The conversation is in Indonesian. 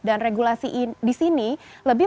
dan regulasi di sini lebih